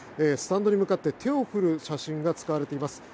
スタンドに向かって手を振る写真が使われています。